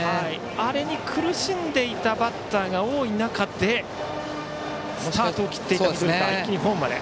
あれに苦しんでいたバッターが多い中でスタートを切って一気にホームまで。